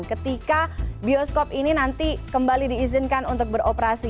ketika bioskop ini nanti kembali diizinkan untuk beroperasi